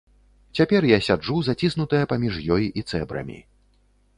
Цяпер я сяджу, заціснутая паміж ёй і цэбрамі.